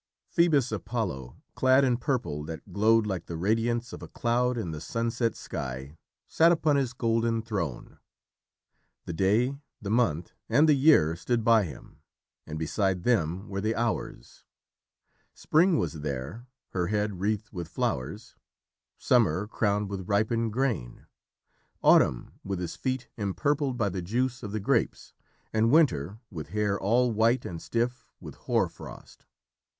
Phœbus Apollo, clad in purple that glowed like the radiance of a cloud in the sunset sky, sat upon his golden throne. The Day, the Month, and the Year stood by him, and beside them were the Hours. Spring was there, her head wreathed with flowers; Summer, crowned with ripened grain; Autumn, with his feet empurpled by the juice of the grapes; and Winter, with hair all white and stiff with hoar frost.